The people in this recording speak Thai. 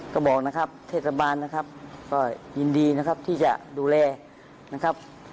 ก็บอกนะครับเทศบาลนะครับก็ยินดีนะครับที่จะดูแลนะครับ